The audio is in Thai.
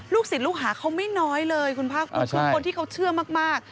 ลูกศิษย์ลูกหาเขาไม่น้อยเลยคุณภาพุทธทุกคนที่เขาเชื่อมาก